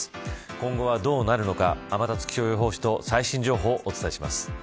今後はどうなるのか天達気象予報士と最新情報をお伝えします。